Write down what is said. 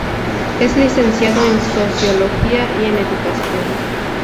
Es Licenciado en Sociología y en Educación.